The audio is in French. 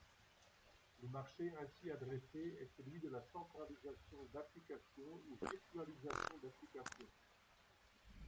Le marché ainsi adressé est celui de la centralisation d’applications ou virtualisation d’applications.